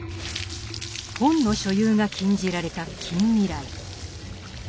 本の所有が禁じられた近未来。